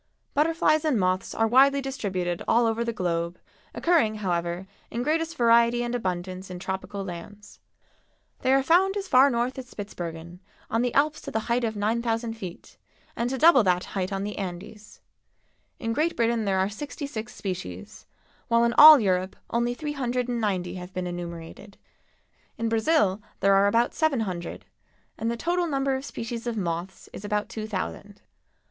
Butterflies and moths are widely distributed all over the globe, occurring, however, in greatest variety and abundance in tropical lands. They are found as far north as Spitzbergen, on the Alps to the height of 9,000 feet, and to double that height on the Andes. In Great Britain there are sixty six species, while in all Europe only three hundred and ninety have been enumerated. In Brazil there are about seven hundred, and the total number of species of moths is about two thousand.